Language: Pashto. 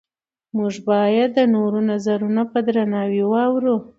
موږ باید د نورو نظرونه په درناوي واورو